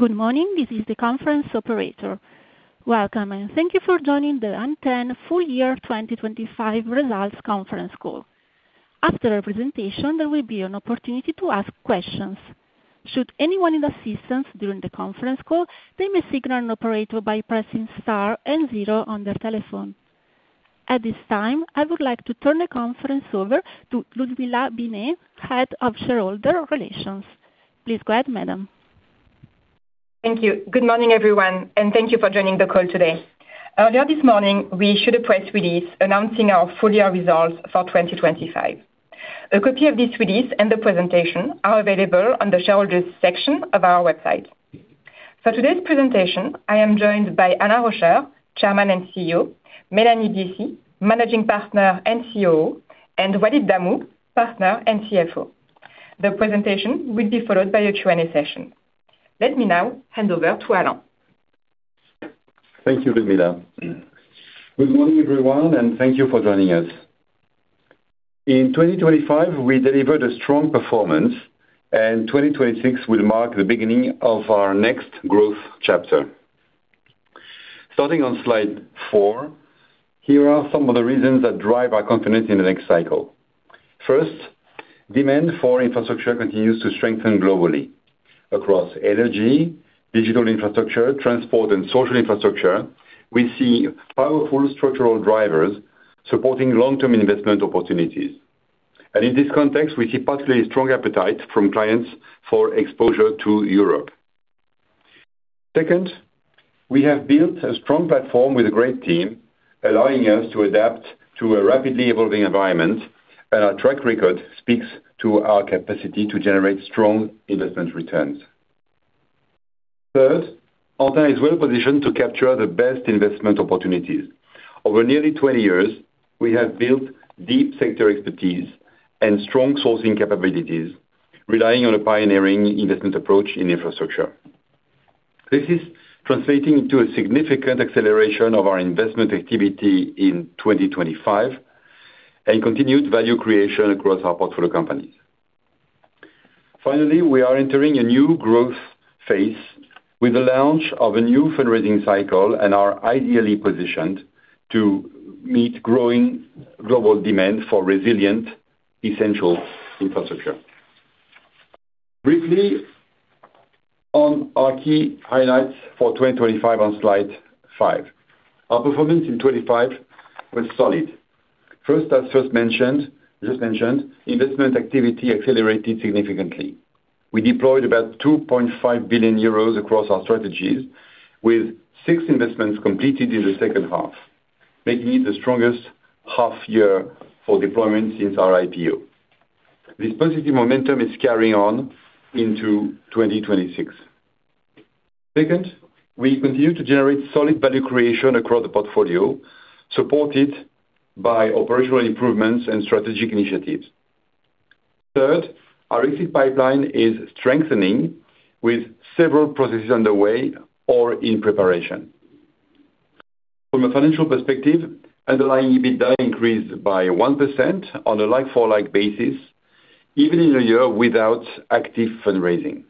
Good morning. This is the conference operator. Welcome, and thank you for joining the Antin Full Year 2025 Results Conference Call. After our presentation, there will be an opportunity to ask questions. Should anyone need assistance during the conference call, they may signal an operator by pressing star and zero on their telephone. At this time, I would like to turn the conference over to Ludmilla Binet, Head of Shareholder Relations. Please go ahead, madam. Thank you. Good morning, everyone, and thank you for joining the call today. Earlier this morning, we issued a press release announcing our full year results for 2025. A copy of this release and the presentation are available on the Shareholders section of our website. For today's presentation, I am joined by Alain Rauscher, Chairman and CEO, Mélanie Biessy, Managing Partner and COO, and Walid Damou, Partner and CFO. The presentation will be followed by a Q&A session. Let me now hand over to Alain. Thank you, Ludmilla. Good morning, everyone, and thank you for joining us. In 2025, we delivered a strong performance, and 2026 will mark the beginning of our next growth chapter. Starting on slide four, here are some of the reasons that drive our confidence in the next cycle. First, demand for infrastructure continues to strengthen globally. Across energy, digital infrastructure, transport and social infrastructure, we see powerful structural drivers supporting long-term investment opportunities. In this context, we see particularly strong appetite from clients for exposure to Europe. Second, we have built a strong platform with a great team, allowing us to adapt to a rapidly evolving environment, and our track record speaks to our capacity to generate strong investment returns. Third, Antin is well-positioned to capture the best investment opportunities. Over nearly 20 years, we have built deep sector expertise and strong sourcing capabilities, relying on a pioneering investment approach in infrastructure. This is translating into a significant acceleration of our investment activity in 2025 and continued value creation across our portfolio companies. Finally, we are entering a new growth phase with the launch of a new fundraising cycle and are ideally positioned to meet growing global demand for resilient, essential infrastructure. Briefly on our key highlights for 2025 on slide five. Our performance in 2025 was solid. First, just mentioned, investment activity accelerated significantly. We deployed about 2.5 billion euros across our strategies, with six investments completed in the H2, making it the strongest half year for deployment since our IPO. This positive momentum is carrying on into 2026. Second, we continue to generate solid value creation across the portfolio, supported by operational improvements and strategic initiatives. Third, our exit pipeline is strengthening with several processes underway or in preparation. From a financial perspective, underlying EBITDA increased by 1% on a like-for-like basis, even in a year without active fundraising.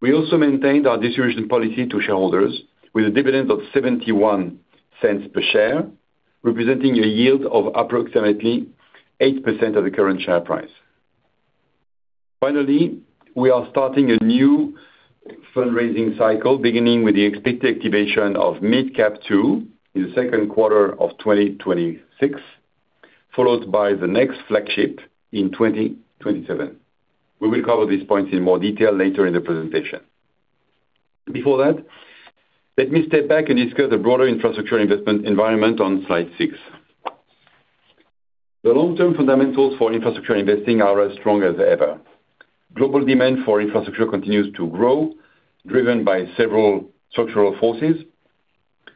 We also maintained our distribution policy to shareholders with a dividend of 0.71 per share, representing a yield of approximately 8% of the current share price. Finally, we are starting a new fundraising cycle, beginning with the expected activation of Mid Cap II in the second quarter of 2026, followed by the next flagship in 2027. We will cover these points in more detail later in the presentation. Before that, let me step back and discuss the broader infrastructure investment environment on slide six. The long-term fundamentals for infrastructure investing are as strong as ever. Global demand for infrastructure continues to grow, driven by several structural forces.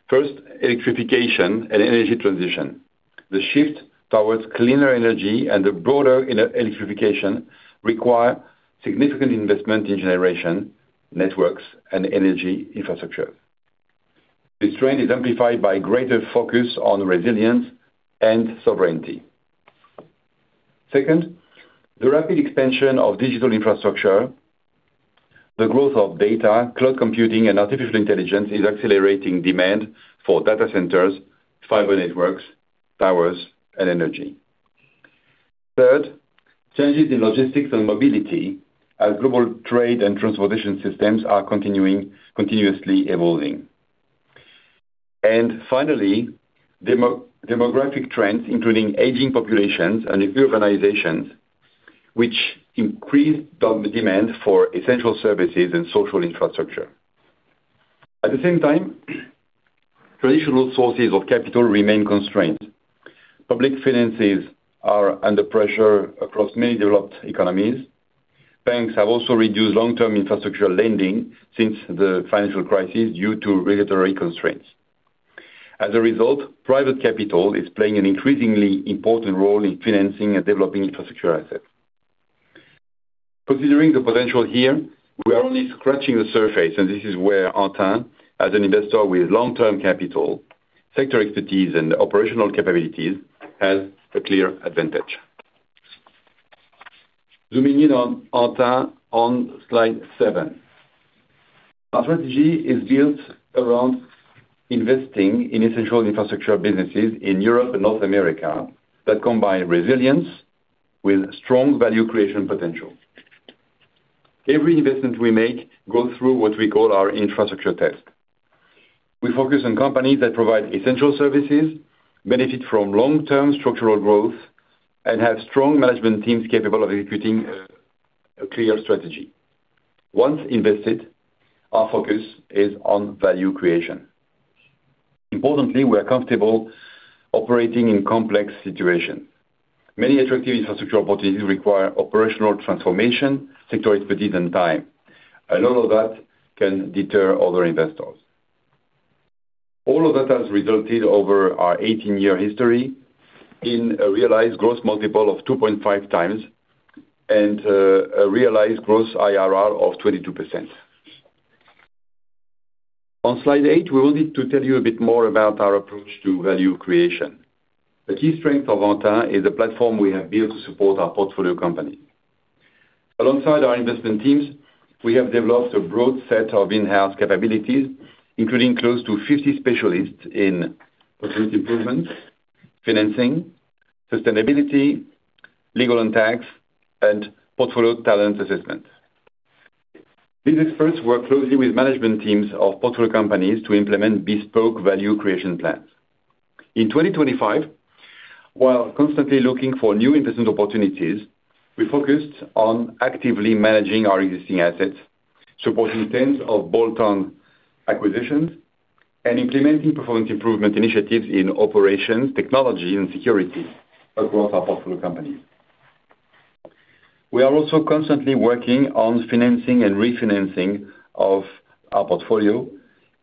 First, electrification and energy transition. The shift towards cleaner energy and the broader electrification require significant investment in generation, networks, and energy infrastructure. This trend is amplified by greater focus on resilience and sovereignty. Second, the rapid expansion of digital infrastructure, the growth of data, cloud computing, and artificial intelligence is accelerating demand for data centers, fiber networks, towers, and energy. Third, changes in logistics and mobility as global trade and transportation systems are continuously evolving. Finally, demographic trends, including aging populations and urbanization, which increase the demand for essential services and social infrastructure. At the same time, traditional sources of capital remain constrained. Public finances are under pressure across many developed economies. Banks have also reduced long-term infrastructure lending since the financial crisis due to regulatory constraints. As a result, private capital is playing an increasingly important role in financing and developing infrastructure assets. Considering the potential here, we are only scratching the surface, and this is where Antin, as an investor with long-term capital, sector expertise, and operational capabilities, has a clear advantage. Zooming in on Antin on slide seven. Our strategy is built around investing in essential infrastructure businesses in Europe and North America that combine resilience with strong value creation potential. Every investment we make goes through what we call our infrastructure test. We focus on companies that provide essential services, benefit from long-term structural growth, and have strong management teams capable of executing a clear strategy. Once invested, our focus is on value creation. Importantly, we are comfortable operating in complex situations. Many attractive infrastructure opportunities require operational transformation, sector expertise, and time. A lot of that can deter other investors. All of that has resulted over our 18-year history in a realized gross multiple of 2.5x, and a realized gross IRR of 22%. On slide eight, we wanted to tell you a bit more about our approach to value creation. A key strength of Antin is the platform we have built to support our portfolio company. Alongside our investment teams, we have developed a broad set of in-house capabilities, including close to 50 specialists in performance improvement, financing, sustainability, legal and tax, and portfolio talent assessment. These experts work closely with management teams of portfolio companies to implement bespoke value creation plans. In 2025, while constantly looking for new investment opportunities, we focused on actively managing our existing assets, supporting tens of bolt-on acquisitions, and implementing performance improvement initiatives in operations, technology and security across our portfolio companies. We are also constantly working on financing and refinancing of our portfolio,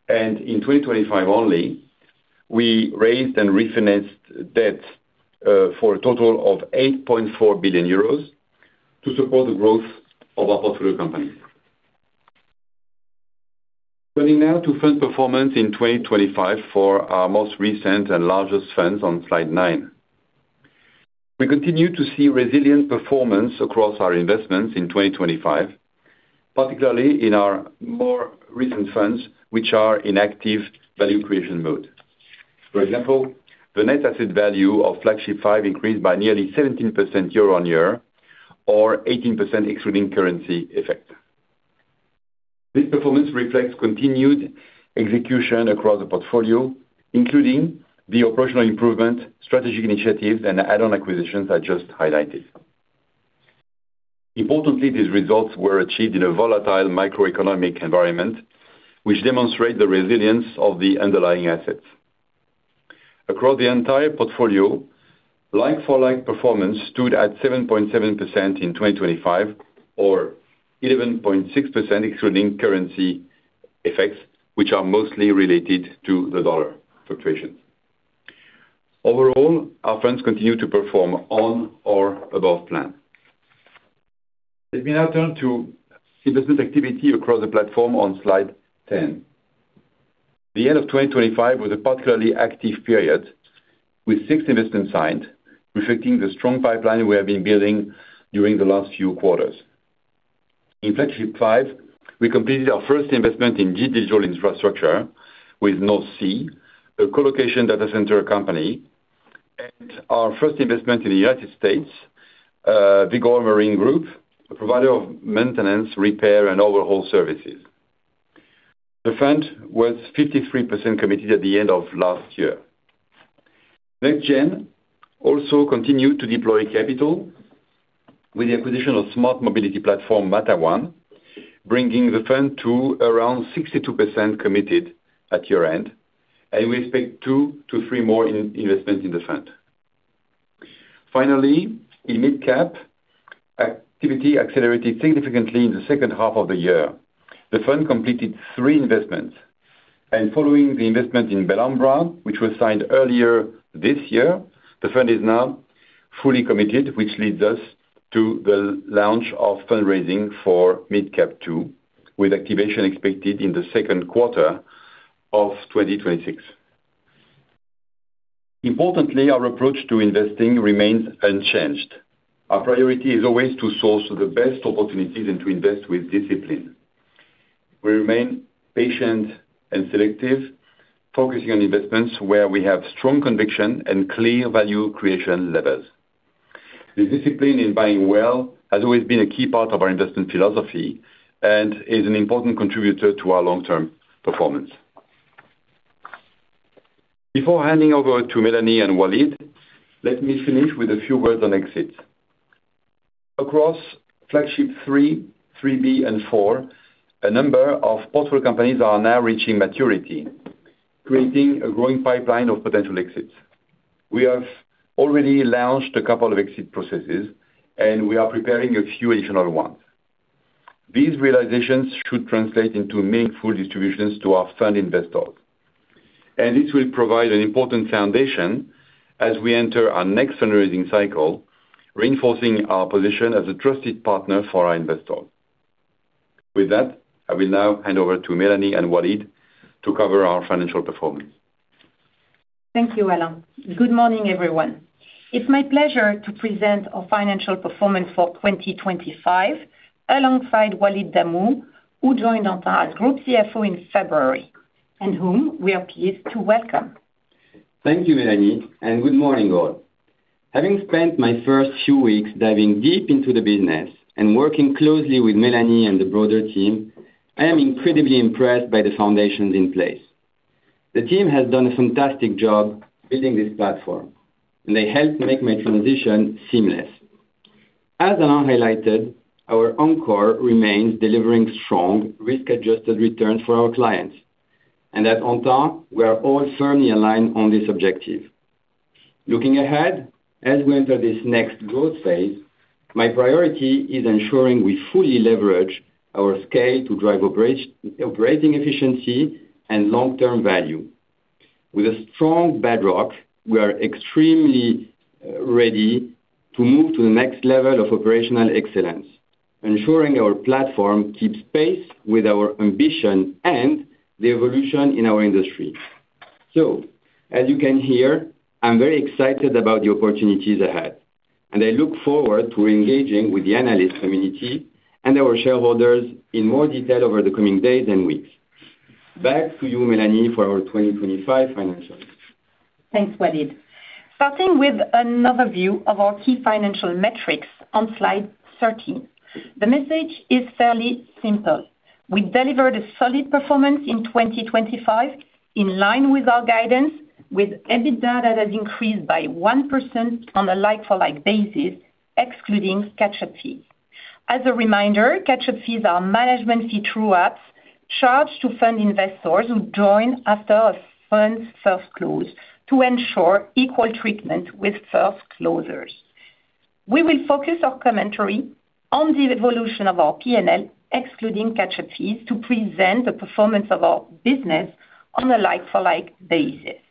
and in 2025 only, we raised and refinanced debt for a total of 8.4 billion euros to support the growth of our portfolio company. Turning now to fund performance in 2025 for our most recent and largest funds on slide nine. We continue to see resilient performance across our investments in 2025, particularly in our more recent funds, which are in active value creation mode. For example, the net asset value of Flagship V increased by nearly 17% year-over-year, or 18% excluding currency effect. This performance reflects continued execution across the portfolio, including the operational improvement, strategic initiatives, and add-on acquisitions I just highlighted. Importantly, these results were achieved in a volatile macroeconomic environment, which demonstrate the resilience of the underlying assets. Across the entire portfolio, like-for-like performance stood at 7.7% in 2025, or 11.6% excluding currency effects, which are mostly related to the dollar fluctuations. Overall, our funds continue to perform on or above plan. Let me now turn to investment activity across the platform on slide 10. The end of 2025 was a particularly active period, with 6 investments signed, reflecting the strong pipeline we have been building during the last few quarters. In Flagship V, we completed our first investment in digital infrastructure with NorthC, a colocation data center company. Our first investment in the United States, Vigor Marine Group, a provider of maintenance, repair, and overhaul services. The fund was 53% committed at the end of last year. NextGen also continued to deploy capital with the acquisition of smart mobility platform Matawan, bringing the fund to around 62% committed at year-end, and we expect two to three more investments in the fund. Finally, in Mid Cap, activity accelerated significantly in the second half of the year. The fund completed three investments, and following the investment in Belambra, which was signed earlier this year, the fund is now fully committed, which leads us to the launch of fundraising for Mid Cap II, with activation expected in the second quarter of 2026. Importantly, our approach to investing remains unchanged. Our priority is always to source the best opportunities and to invest with discipline. We remain patient and selective, focusing on investments where we have strong conviction and clear value creation levers. The discipline in buying well has always been a key part of our investment philosophy and is an important contributor to our long-term performance. Before handing over to Mélanie and Walid, let me finish with a few words on exits. Across Flagship III-B, and IV, a number of portfolio companies are now reaching maturity, creating a growing pipeline of potential exits. We have already launched a couple of exit processes, and we are preparing a few additional ones. These realizations should translate into meaningful distributions to our fund investors. This will provide an important foundation as we enter our next fundraising cycle, reinforcing our position as a trusted partner for our investors. With that, I will now hand over to Mélanie and Walid to cover our financial performance. Thank you, Alain. Good morning, everyone. It's my pleasure to present our financial performance for 2025 alongside Walid Damou, who joined Antin as Group CFO in February, and whom we are pleased to welcome. Thank you, Mélanie, and good morning all. Having spent my first few weeks diving deep into the business and working closely with Mélanie and the broader team, I am incredibly impressed by the foundations in place. The team has done a fantastic job building this platform, and they helped make my transition seamless. As Alain highlighted, our own core remains delivering strong risk-adjusted returns for our clients. At Antin, we are all firmly aligned on this objective. Looking ahead, as we enter this next growth phase, my priority is ensuring we fully leverage our scale to drive operating efficiency and long-term value. With a strong bedrock, we are extremely ready to move to the next level of operational excellence, ensuring our platform keeps pace with our ambition and the evolution in our industry. As you can hear, I'm very excited about the opportunities ahead, and I look forward to engaging with the analyst community and our shareholders in more detail over the coming days and weeks. Back to you, Mélanie, for our 2025 financials. Thanks, Walid. Starting with another view of our key financial metrics on slide 13. The message is fairly simple. We delivered a solid performance in 2025, in line with our guidance, with EBITDA that has increased by 1% on a like-for-like basis, excluding catch-up fees. As a reminder, catch-up fees are management fee true-ups charged to fund investors who join after a fund's first close to ensure equal treatment with first closers. We will focus our commentary on the evolution of our P&L, excluding catch-up fees, to present the performance of our business on a like-for-like basis.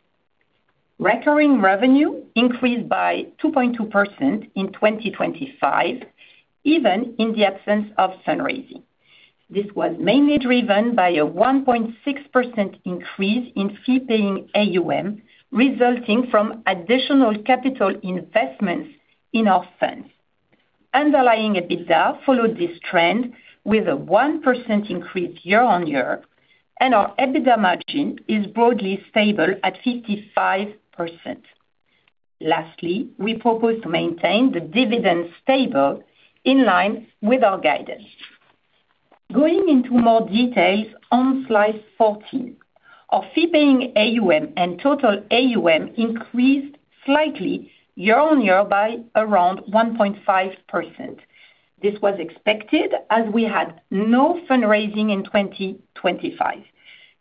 Recurring revenue increased by 2.2% in 2025, even in the absence of fundraising. This was mainly driven by a 1.6% increase in fee-paying AUM, resulting from additional capital investments in our funds. Underlying EBITDA followed this trend with a 1% increase year-on-year, and our EBITDA margin is broadly stable at 55%. Lastly, we propose to maintain the dividend stable in line with our guidance. Going into more details on slide 14. Our fee-paying AUM and total AUM increased slightly year-on-year by around 1.5%. This was expected as we had no fundraising in 2025,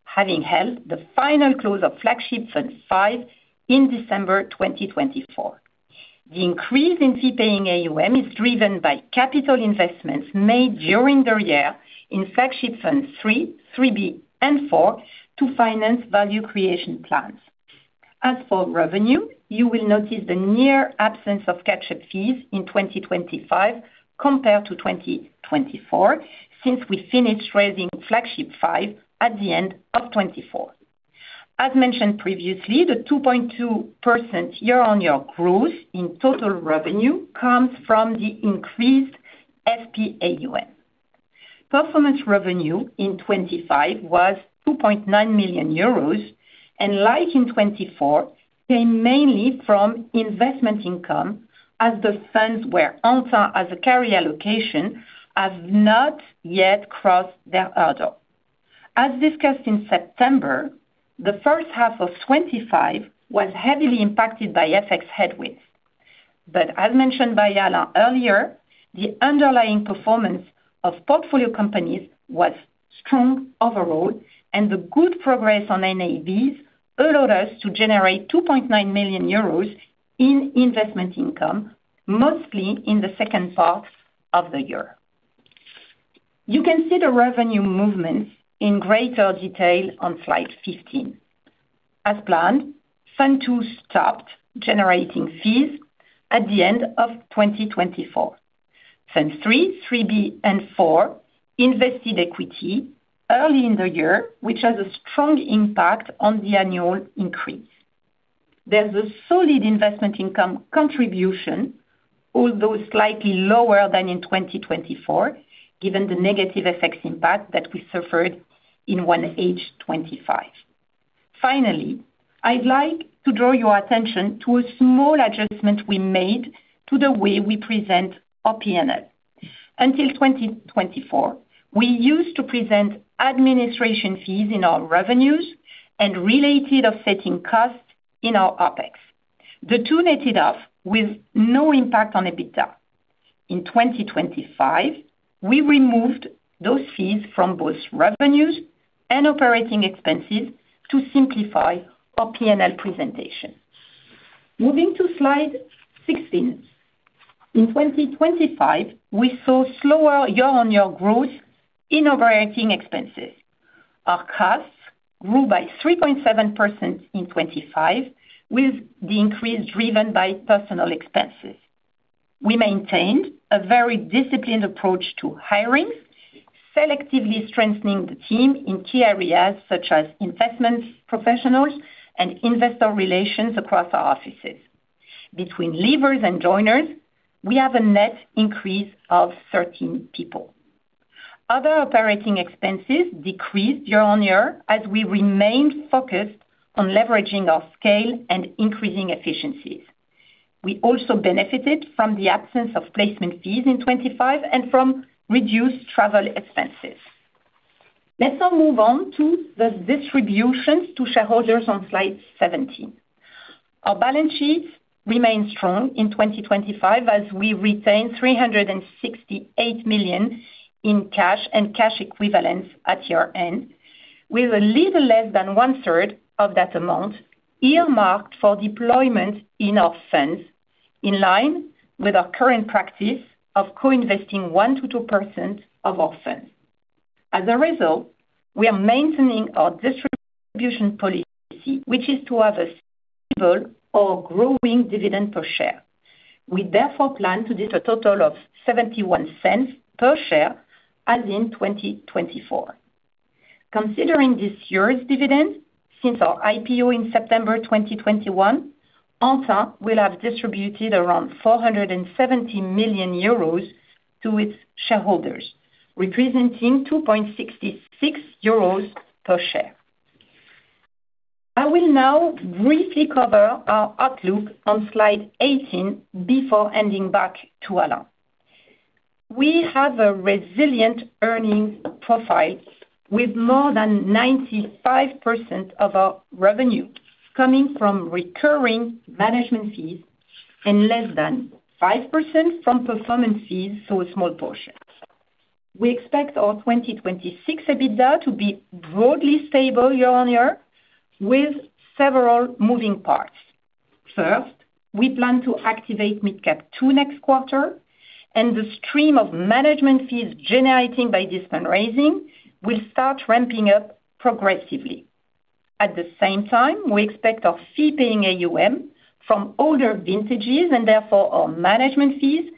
having held the final close of Flagship Fund V in December 2024. The increase in fee-paying AUM is driven by capital investments made during the year in Flagship Fund III-B, and IV to finance value creation plans. As for revenue, you will notice the near absence of catch-up fees in 2025 compared to 2024, since we finished raising Flagship Fund V at the end of 2024. As mentioned previously, the 2.2% year-on-year growth in total revenue comes from the increased FPAUM. Performance revenue in 2025 was 2.9 million euros, and like in 2024, came mainly from investment income as the funds where Antin has a carry allocation have not yet crossed their hurdle. As discussed in September, the first half of 2025 was heavily impacted by FX headwinds. As mentioned by Alain earlier, the underlying performance of portfolio companies was strong overall, and the good progress on NAVs allowed us to generate 2.9 million euros in investment income, mostly in the second half of the year. You can see the revenue movements in greater detail on slide 15. As planned, Fund II stopped generating fees at the end of 2024. Fund III-B, and IV invested equity early in the year, which has a strong impact on the annual increase. There's a solid investment income contribution, although slightly lower than in 2024, given the negative FX impact that we suffered in 1H 2025. Finally, I'd like to draw your attention to a small adjustment we made to the way we present our P&L. Until 2024, we used to present administration fees in our revenues and related offsetting costs in our OpEx. The two netted off with no impact on EBITDA. In 2025, we removed those fees from both revenues and operating expenses to simplify our P&L presentation. Moving to slide 16. In 2025, we saw slower year-on-year growth in operating expenses. Our costs grew by 3.7% in 2025, with the increase driven by personnel expenses. We maintained a very disciplined approach to hiring, selectively strengthening the team in key areas such as investment professionals and investor relations across our offices. Between leavers and joiners, we have a net increase of 13 people. Other operating expenses decreased year-on-year as we remained focused on leveraging our scale and increasing efficiencies. We also benefited from the absence of placement fees in 2025 and from reduced travel expenses. Let's now move on to the distributions to shareholders on slide 17. Our balance sheets remain strong in 2025 as we retain 368 million in cash and cash equivalents at year-end, with a little less than one-third of that amount earmarked for deployment in our funds, in line with our current practice of co-investing 1%-2% of our funds. As a result, we are maintaining our distribution policy, which is to have a stable or growing dividend per share. We therefore plan to do a total of 0.71 per share as in 2024. Considering this year's dividend since our IPO in September 2021, Antin will have distributed around 470 million euros to its shareholders, representing 2.66 euros per share. I will now briefly cover our outlook on slide 18 before handing back to Alain. We have a resilient earnings profile with more than 95% of our revenue coming from recurring management fees and less than 5% from performance fees, so a small portion. We expect our 2026 EBITDA to be broadly stable year-over-year with several moving parts. First, we plan to activate Mid Cap 2 next quarter, and the stream of management fees generating by this fundraising will start ramping up progressively. At the same time, we expect our fee-paying AUM from older vintages and therefore our management fees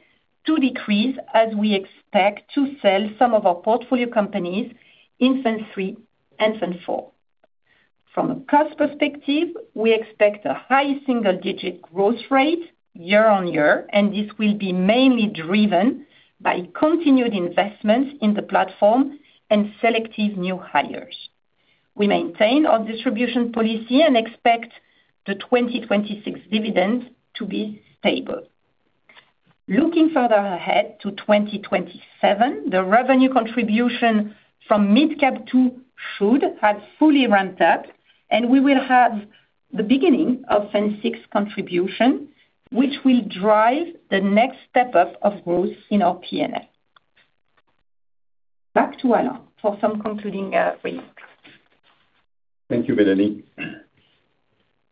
to decrease as we expect to sell some of our portfolio companies in Fund III and Fund IV. From a cost perspective, we expect a high single-digit growth rate year-over-year, and this will be mainly driven by continued investment in the platform and selective new hires. We maintain our distribution policy and expect the 2026 dividends to be stable. Looking further ahead to 2027, the revenue contribution from Mid Cap 2 should have fully ramped up, and we will have the beginning of Fund VI contribution, which will drive the next step up of growth in our P&L. Back to Alain for some concluding remarks. Thank you, Mélanie.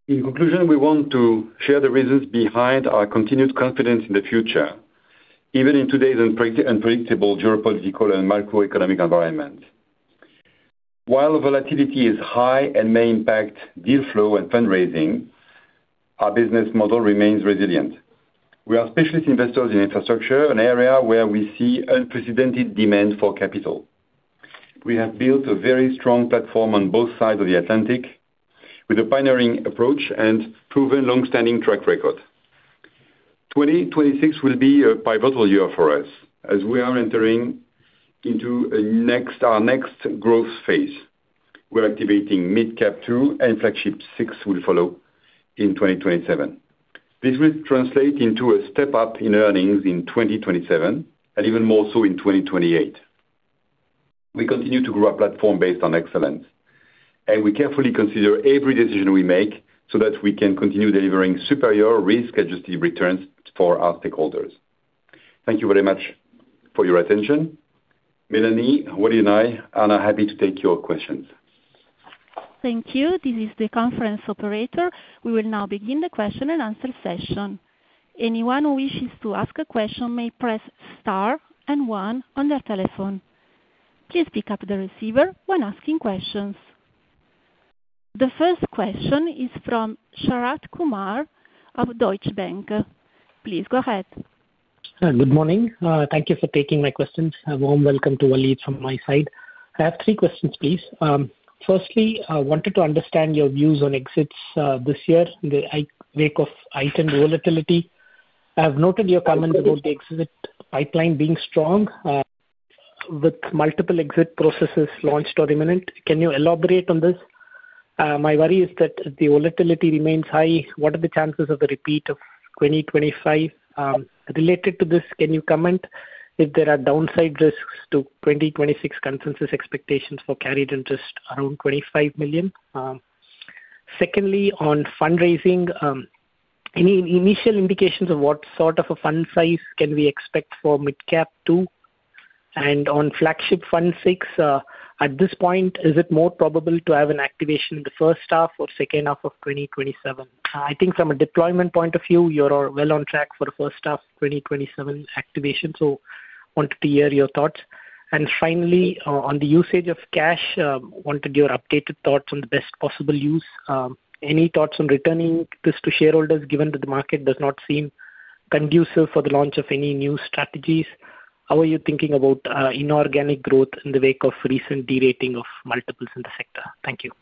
In conclusion, we want to share the reasons behind our continued confidence in the future, even in today's unpredictable geopolitical and macroeconomic environment. While volatility is high and may impact deal flow and fundraising, our business model remains resilient. We are specialist investors in infrastructure, an area where we see unprecedented demand for capital. We have built a very strong platform on both sides of the Atlantic with a pioneering approach and proven long-standing track record. 2026 will be a pivotal year for us as we are entering into our next growth phase. We're activating Mid Cap 2, and Flagship VI will follow in 2027. This will translate into a step up in earnings in 2027 and even more so in 2028. We continue to grow our platform based on excellence, and we carefully consider every decision we make so that we can continue delivering superior risk-adjusted returns for our stakeholders. Thank you very much for your attention. Mélanie, Walid, and I are now happy to take your questions. Thank you. This is the conference operator. We will now begin the question and answer session. Anyone who wishes to ask a question may press star and one on their telephone. Please pick up the receiver when asking questions. The first question is from Sharath Kumar of Deutsche Bank. Please go ahead. Good morning. Thank you for taking my questions. A warm welcome to Walid from my side. I have three questions, please. Firstly, I wanted to understand your views on exits this year in the wake of market volatility. I have noted your comment about the exit pipeline being strong with multiple exit processes launched or imminent. Can you elaborate on this? My worry is that the volatility remains high. What are the chances of a repeat of 2025? Related to this, can you comment if there are downside risks to 2026 consensus expectations for carried interest around 25 million? Secondly, on fundraising, any initial indications of what sort of a fund size can we expect for Mid Cap II? On Flagship Fund VI, at this point, is it more probable to have an activation in the first half or second half of 2027? I think from a deployment point of view, you are well on track for the first half of 2027 activation, so wanted to hear your thoughts. Finally, on the usage of cash, want to give your updated thoughts on the best possible use. Any thoughts on returning this to shareholders, given that the market does not seem conducive for the launch of any new strategies? How are you thinking about inorganic growth in the wake of recent derating of multiples in the sector? Thank you.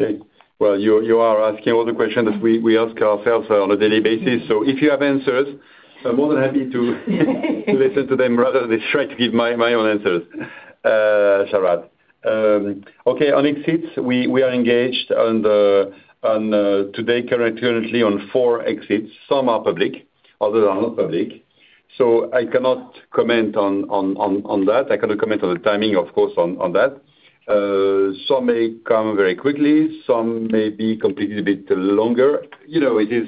Okay. Well, you are asking all the questions we ask ourselves on a daily basis. So if you have answers, I'm more than happy to listen to them rather than try to give my own answers, Sharath. Okay. On exits, we are engaged today currently on four exits. Some are public, others are not public. So I cannot comment on that. I cannot comment on the timing, of course, on that. Some may come very quickly, some may be completed a bit longer. You know, it is.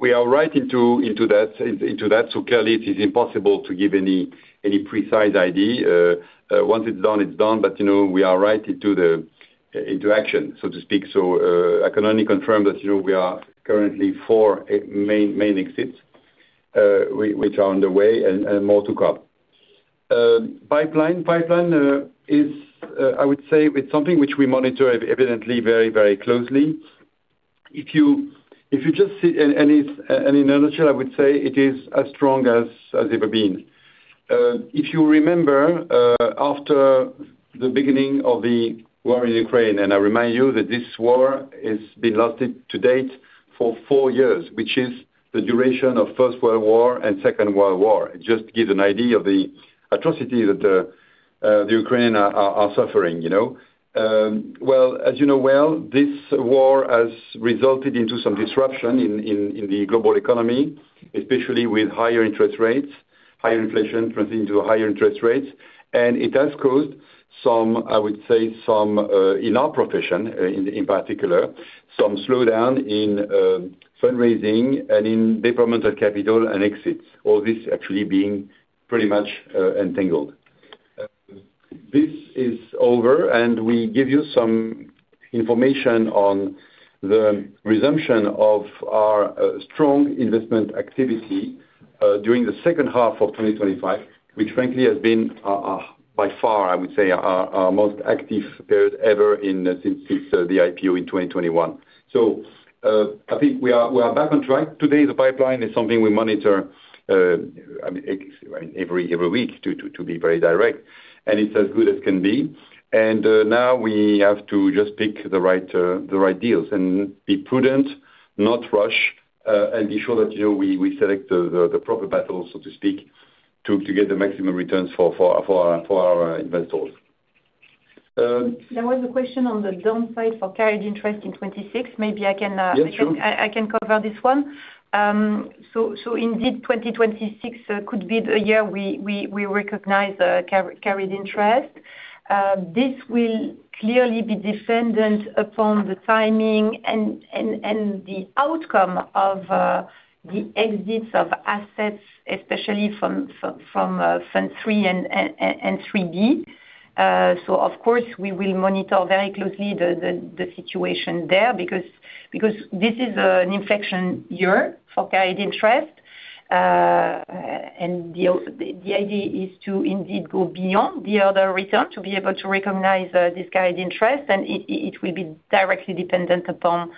We are right into that. So clearly it is impossible to give any precise idea. Once it's done, it's done. You know, we are right into action, so to speak. I can only confirm that, you know, we are currently four main exits which are on the way and more to come. Pipeline is, I would say, something which we monitor evidently very closely. If you just see any and in a nutshell I would say it is as strong as ever been. If you remember, after the beginning of the war in Ukraine, and I remind you that this war has been lasting to date for four years, which is the duration of First World War and Second World War. It just gives an idea of the atrocity that the Ukraine are suffering, you know. Well, as you know well, this war has resulted into some disruption in the global economy, especially with higher interest rates, higher inflation translating to higher interest rates. It has caused some, I would say some, in our profession, in particular, some slowdown in fundraising and in deployment capital and exits, all this actually being pretty much entangled. This is over, and we give you some information on the resumption of our strong investment activity during the second half of 2025, which frankly has been by far, I would say our most active period ever since the IPO in 2021. I think we are back on track. Today, the pipeline is something we monitor every week to be very direct, and it's as good as can be. Now we have to just pick the right deals and be prudent, not rush, and be sure that, you know, we select the proper battles, so to speak, to get the maximum returns for our investors. There was a question on the downside for carried interest in 2026. Maybe I can. Yes, sure. I can cover this one. Indeed, 2026 could be the year we recognize carried interest. This will clearly be dependent upon the timing and the outcome of the exits of assets, especially from Fund III and Fund III-B. Of course we will monitor very closely the situation there because this is an inflection year for carried interest. The idea is to indeed go beyond the hurdle return to be able to recognize this carried interest, and it will be directly dependent upon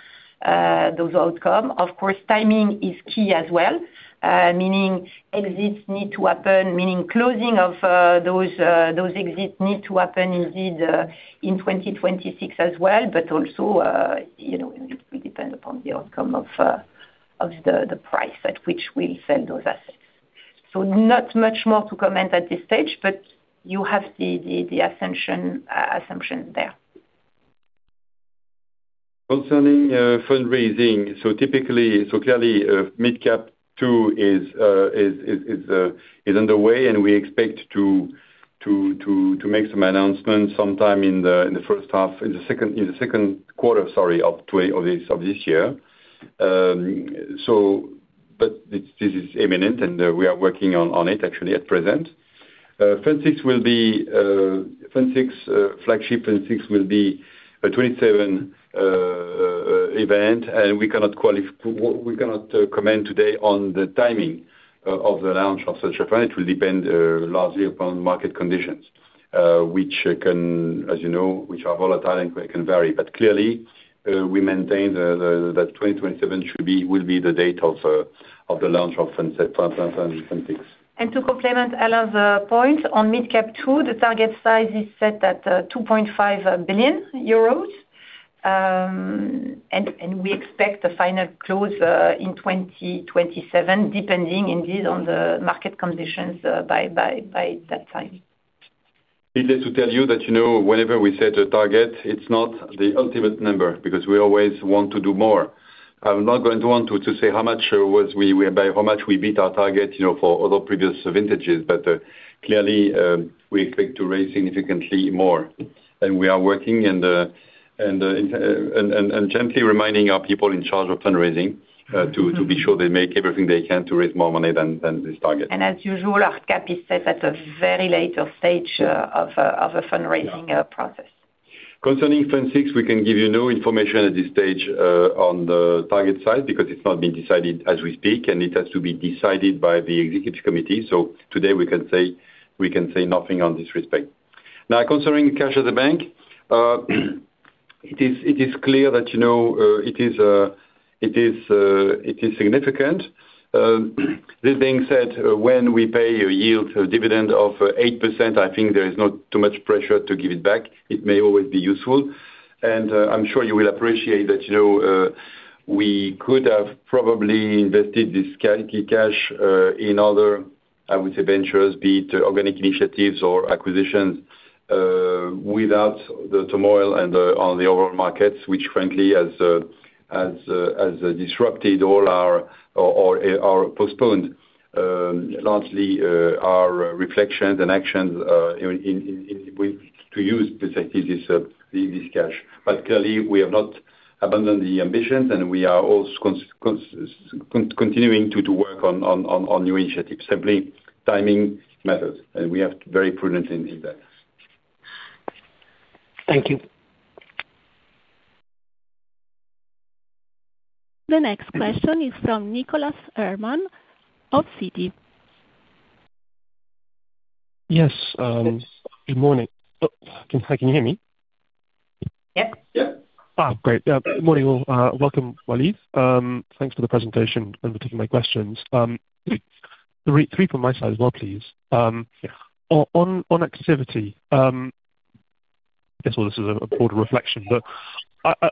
those outcomes. Of course, timing is key as well, meaning exits need to happen, meaning closing of those exits need to happen indeed in 2026 as well. Also, you know, it will depend upon the outcome of the price at which we'll sell those assets. Not much more to comment at this stage, but you have the assumption there. Concerning fundraising, clearly Mid Cap Fund II is underway, and we expect to make some announcements sometime in the second quarter of this year. But this is imminent, and we are working on it actually at present. Flagship Fund VI will be a 2027 event, and we cannot comment today on the timing of the launch of such a fund. It will depend largely upon market conditions, which, as you know, are volatile and can vary. Clearly, we maintain that 2027 will be the date of the launch of Fund VI. To complement Alain's point on Mid Cap II, the target size is set at 2.5 billion euros. We expect the final close in 2027, depending indeed on the market conditions by that time. Needless to tell you that, you know, whenever we set a target, it's not the ultimate number, because we always want to do more. I'm not going to want to say by how much we beat our target, you know, for other previous vintages. Clearly, we expect to raise significantly more. We are working and gently reminding our people in charge of fundraising to be sure they make everything they can to raise more money than this target. As usual, our cap is set at a very late stage of a fundraising process. Concerning Fund VI, we can give you no information at this stage on the target side because it's not been decided as we speak, and it has to be decided by the executive committee. Today we can say nothing in this respect. Now, concerning cash at the bank, it is clear that it is significant. This being said, when we pay a yield dividend of 8%, I think there is not too much pressure to give it back. It may always be useful. I'm sure you will appreciate that, you know, we could have probably invested this key cash in other, I would say, ventures, be it organic initiatives or acquisitions without the turmoil and the on the overall markets, which frankly has disrupted all our or postponed largely our reflections and actions in a way to use precisely this cash. Clearly we have not abandoned the ambitions, and we are also continuing to work on new initiatives. Simply timing matters, and we are very prudent in that. Thank you. The next question is from Nicholas Herman of Citi. Yes, good morning. Hi, can you hear me? Yes. Yeah. Great. Yeah. Good morning, all. Welcome, Walid. Thanks for the presentation and for taking my questions. Three from my side as well, please. On activity, I guess, well, this is a broader reflection, but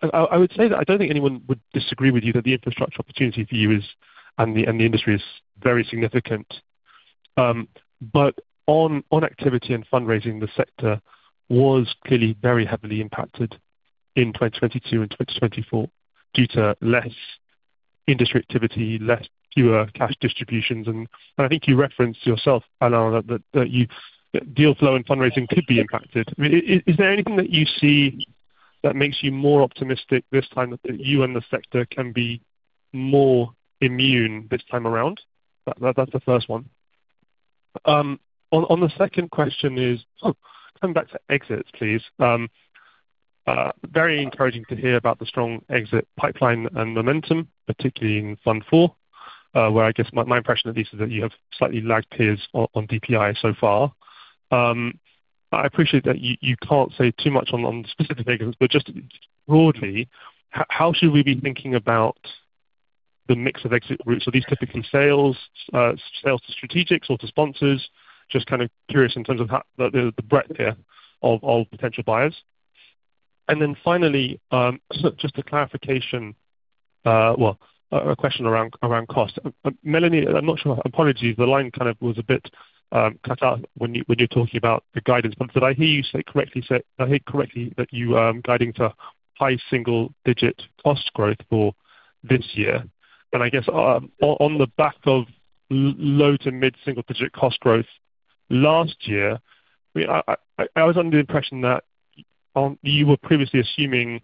I would say that I don't think anyone would disagree with you that the infrastructure opportunity for you and the industry is very significant. But on activity and fundraising, the sector was clearly very heavily impacted in 2022 and 2024 due to less industry activity, fewer cash distributions. I think you referenced yourself, Alain, that deal flow and fundraising could be impacted. I mean, is there anything that you see that makes you more optimistic this time that you and the sector can be more immune this time around? That's the first one. On the second question, coming back to exits, please. Very encouraging to hear about the strong exit pipeline and momentum, particularly in Fund IV, where I guess my impression at least is that you have slightly lagged peers on DPI so far. I appreciate that you can't say too much on the specific figures, but just broadly, how should we be thinking about the mix of exit routes? Are these typically sales to strategics or to sponsors? Just kind of curious in terms of how the breadth here of potential buyers. Finally, just a clarification, well, a question around cost. Mélanie, I'm not sure. Apologies, the line kind of was a bit cut out when you're talking about the guidance. Did I hear you correctly that you guiding to high single-digit cost growth for this year? I guess on the back of low- to mid-single-digit cost growth last year, I was under the impression that you were previously assuming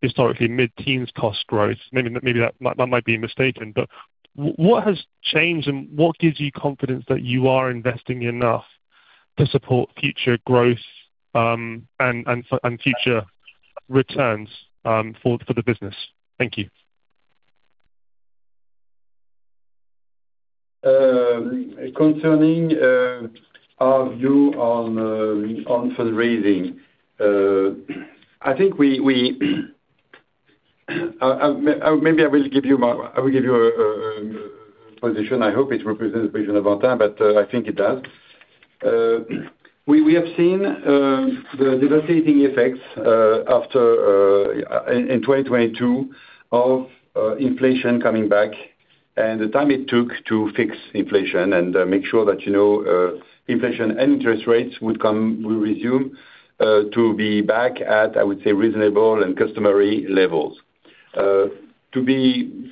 historically mid-teens cost growth. Maybe that I might be mistaken, but what has changed and what gives you confidence that you are investing enough to support future growth and future returns for the business? Thank you. Concerning our view on fundraising, I think maybe I will give you our position. I hope it represents the position of Antin, but I think it does. We have seen the devastating effects after in 2022 of inflation coming back and the time it took to fix inflation and make sure that, you know, inflation and interest rates will resume to be back at, I would say, reasonable and customary levels. To be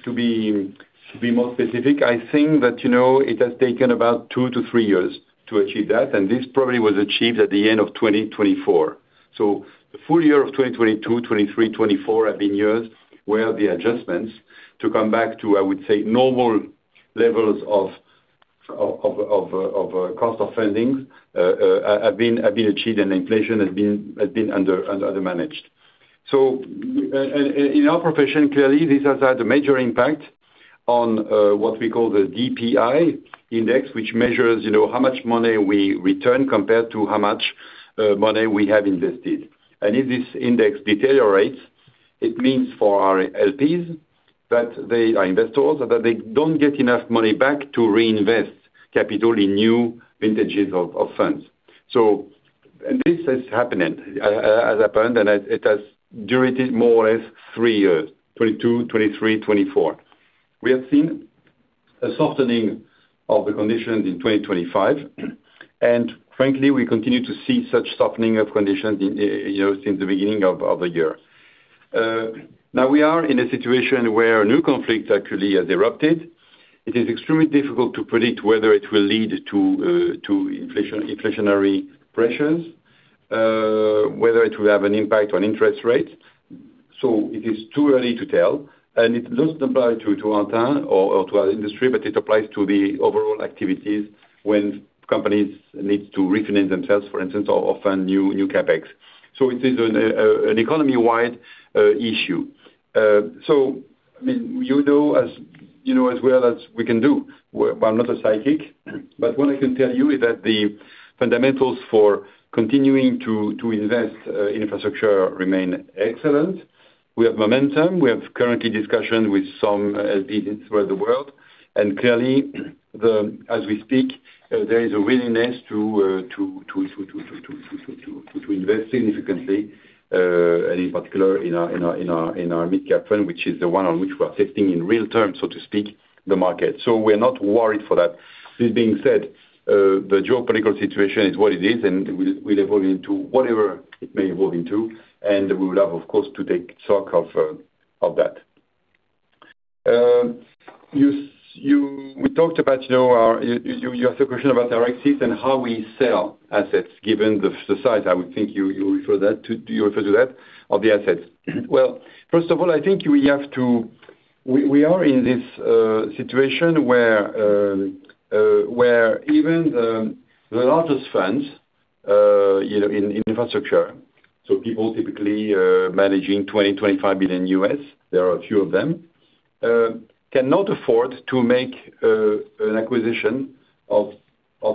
more specific, I think that, you know, it has taken about 2-3 years to achieve that, and this probably was achieved at the end of 2024. The full years of 2022, 2023, 2024 have been years where the adjustments to come back to, I would say, normal levels of cost of funding have been achieved and inflation has been under managed. In our profession, clearly this has had a major impact on what we call the DPI index, which measures, you know, how much money we return compared to how much money we have invested. If this index deteriorates, it means for our LPs that they are investors that they don't get enough money back to reinvest capital in new vintages of funds. This is happening. It has lasted more or less three years, 2022, 2023, 2024. We have seen a softening of the conditions in 2025, and frankly, we continue to see such softening of conditions since the beginning of the year. Now we are in a situation where new conflicts actually has erupted. It is extremely difficult to predict whether it will lead to inflationary pressures, whether it will have an impact on interest rates. It is too early to tell, and it doesn't apply to Antin or to our industry, but it applies to the overall activities when companies need to refinance themselves, for instance, or fund new CapEx. It is an economy-wide issue. I mean, you know as well as we can do. We're not a psychic. What I can tell you is that the fundamentals for continuing to invest in infrastructure remain excellent. We have momentum. We have current discussions with some investors throughout the world. Clearly, as we speak, there is a willingness to invest significantly, and in particular in our Mid Cap Fund, which is the one on which we are testing in real terms, so to speak, the market. We're not worried for that. This being said, the geopolitical situation is what it is, and we'll evolve into whatever it may evolve into, and we will have, of course, to take stock of that. We talked about, you know, our... You asked a question about our exits and how we sell assets given the size. I would think you refer that to, do you refer to that of the assets? Well, first of all, I think we have to. We are in this situation where even the largest funds, you know, in infrastructure, so people typically managing $20 billion-$25 billion, there are a few of them, cannot afford to make an acquisition of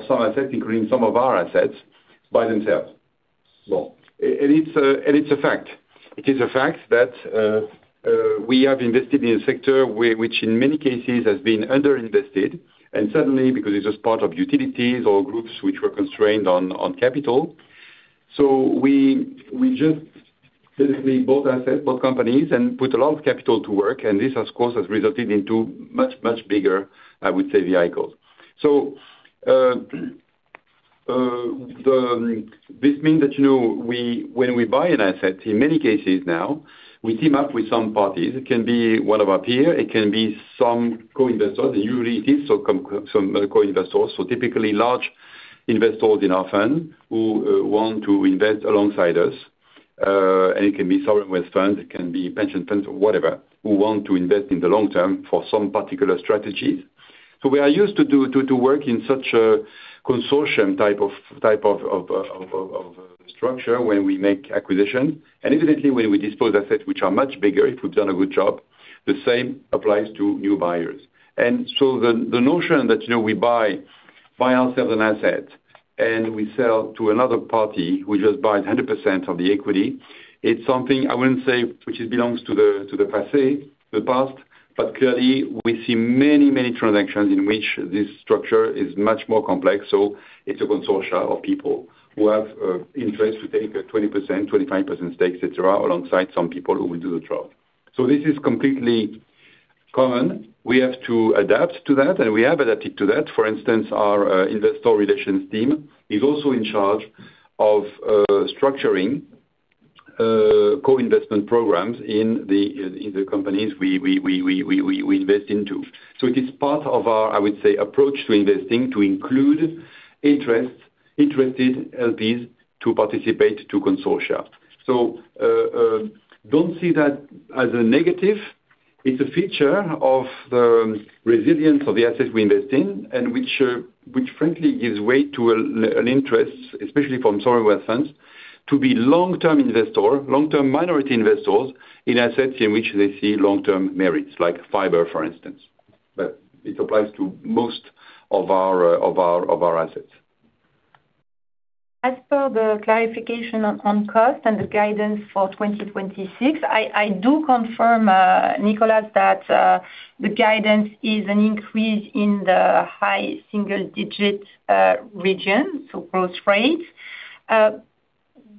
some assets, including some of our assets, by themselves. Well, it's a fact. It is a fact that we have invested in a sector which in many cases has been underinvested, and certainly because it's just part of utilities or groups which were constrained on capital. We just physically bought assets, bought companies, and put a lot of capital to work, and this of course has resulted in much bigger vehicles, I would say. This means that, you know, when we buy an asset, in many cases now, we team up with some parties. It can be one of our peers, it can be some co-investors, the new REITs, some co-investors, so typically large investors in our fund who want to invest alongside us. And it can be sovereign wealth fund, it can be pension funds or whatever, who want to invest in the long term for some particular strategies. We are used to work in such a consortium type of structure when we make acquisition. Evidently, when we dispose assets which are much bigger, if we've done a good job, the same applies to new buyers. The notion that, you know, we buy ourselves an asset and we sell to another party, we just buy 100% of the equity. It's something I wouldn't say which it belongs to the passé, the past, but clearly we see many transactions in which this structure is much more complex. It's a consortia of people who have interest to take a 20%, 25% stake, et cetera, alongside some people who will do the job. This is completely common. We have to adapt to that, and we have adapted to that. For instance, our investor relations team is also in charge of structuring co-investment programs in the companies we invest into. It is part of our, I would say, approach to investing to include interested LPs to participate to consortia. Don't see that as a negative. It's a feature of the resilience of the assets we invest in and which frankly gives way to an interest, especially from sovereign wealth funds, to be long-term investor, long-term minority investors in assets in which they see long-term merits, like fiber, for instance. It applies to most of our assets. As per the clarification on cost and the guidance for 2026, I do confirm, Nicholas, that the guidance is an increase in the high single digit region, so growth rate.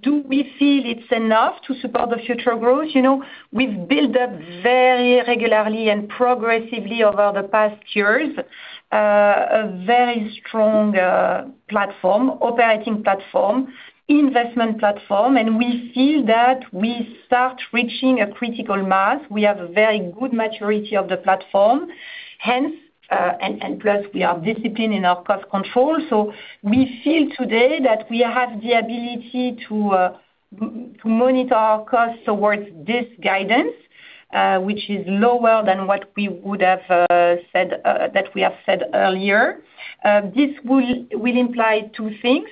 Do we feel it's enough to support the future growth? You know, we've built up very regularly and progressively over the past years a very strong platform, operating platform, investment platform, and we feel that we start reaching a critical mass. We have a very good maturity of the platform, hence and plus we are disciplined in our cost control. We feel today that we have the ability to monitor our costs towards this guidance, which is lower than what we would have said earlier. This will imply two things.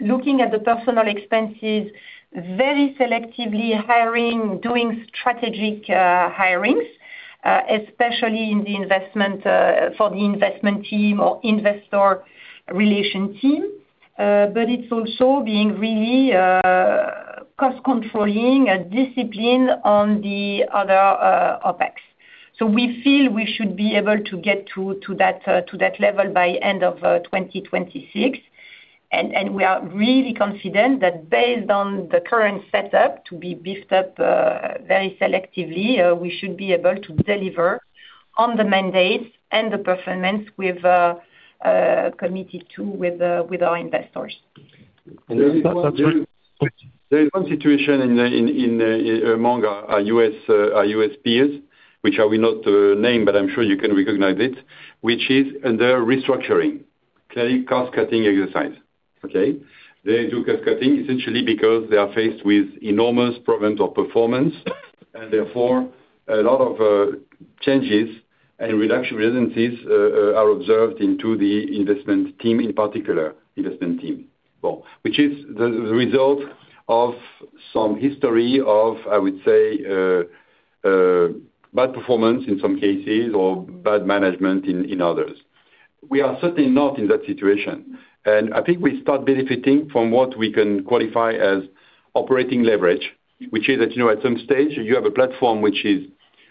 Looking at the personnel expenses, very selectively hiring, doing strategic hirings, especially in the investment for the investment team or investor relations team. But it's also being really cost controlling and disciplined on the other OpEx. We feel we should be able to get to that level by end of 2026. We are really confident that based on the current setup to be beefed up very selectively, we should be able to deliver on the mandates and the performance we've committed to with our investors. There is one situation in among our US peers, which I will not name, but I'm sure you can recognize it, which is they're restructuring. Clearly cost cutting exercise. Okay? They do cost cutting essentially because they are faced with enormous problems of performance, and therefore a lot of changes and redundancies are observed in the investment team, in particular investment team. Well, which is the result of some history of, I would say, bad performance in some cases, or bad management in others. We are certainly not in that situation, and I think we start benefiting from what we can qualify as operating leverage, which is that, you know, at some stage you have a platform which is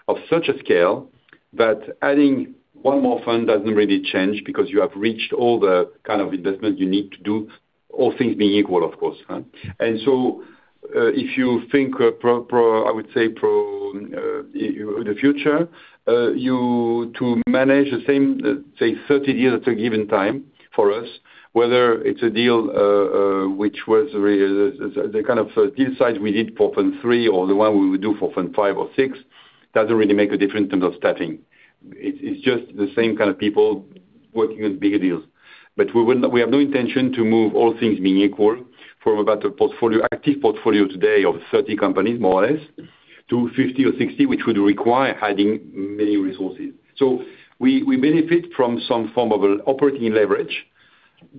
of such a scale that adding one more fund doesn't really change because you have reached all the kind of investment you need to do, all things being equal, of course. If you think pro forma, I would say pro forma in the future, you have to manage the same, say, 30 deals at a given time for us, whether it's a deal which was the kind of deal size we did for Fund III or the one we would do for Fund V or VI, doesn't really make a difference in terms of staffing. It's just the same kind of people working on bigger deals. We have no intention to move all things being equal from about a portfolio, active portfolio today of 30 companies more or less, to 50 or 60, which would require adding many resources. We benefit from some form of operating leverage.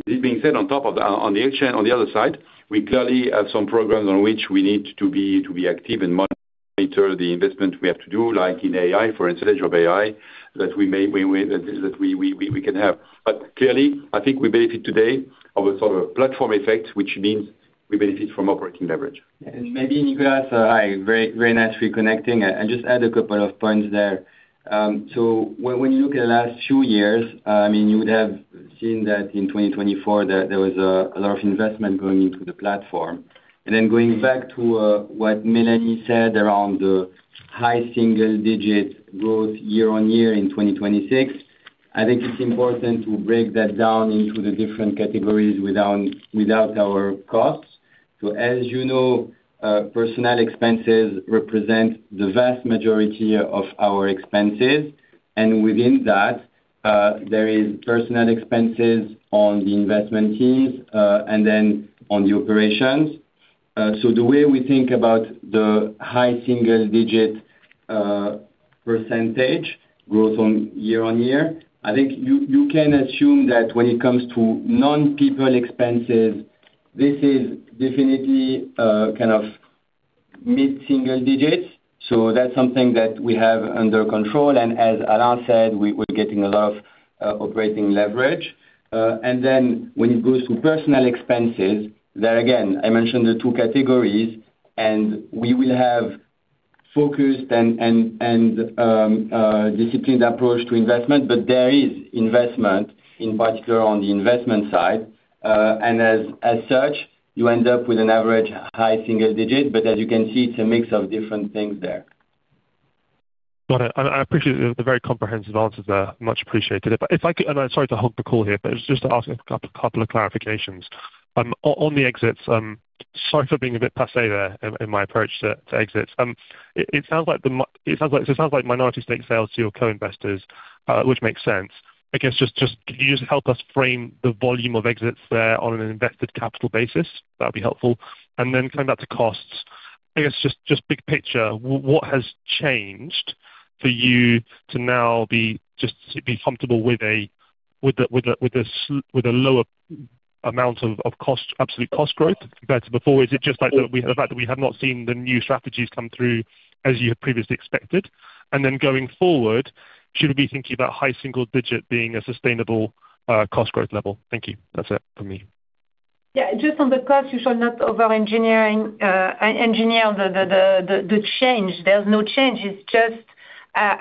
This being said, on the other hand, on the other side, we clearly have some programs on which we need to be active and monitor the investment we have to do, like in AI, for instance, our AI that we can have. Clearly, I think we benefit today of a sort of platform effect, which means we benefit from operating leverage. Maybe Nicholas, I very nicely connect in and just add a couple of points there. When you look at the last two years, you would have seen that in 2024 there was a lot of investment going into the platform. Going back to what Mélanie said around the high single-digit growth year-on-year in 2026, I think it's important to break that down into the different categories without our costs. As you know, personnel expenses represent the vast majority of our expenses, and within that, there is personnel expenses on the investment teams, and then on the operations. The way we think about the high single-digit percentage growth year-on-year, I think you can assume that when it comes to non-people expenses, this is definitely kind of mid-single digits. That's something that we have under control. As Alain said, we're getting a lot of operating leverage. When it goes to personnel expenses, there again, I mentioned the two categories, and we will have focused and disciplined approach to investment. There is investment, in particular on the investment side. As such, you end up with an average high single digit. As you can see, it's a mix of different things there. Got it. I appreciate the very comprehensive answers there. Much appreciated. If I could, and I'm sorry to hog the call here, but it's just to ask a couple of clarifications. On the exits, sorry for being a bit passé there in my approach to exits. It sounds like minority stake sales to your co-investors, which makes sense. I guess just could you help us frame the volume of exits there on an invested capital basis? That'll be helpful. Then coming back to costs, I guess just big picture, what has changed for you to now be comfortable with a lower amount of cost, absolute cost growth compared to before? Is it just like the fact that we have not seen the new strategies come through as you had previously expected? Going forward, should we be thinking about high single-digit% being a sustainable cost growth level? Thank you. That's it for me. Yeah. Just on the cost, you should not overengineer the change. There's no change. It's just